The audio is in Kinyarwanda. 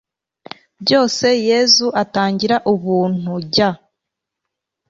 byose, yezu atangira ubuntu, jya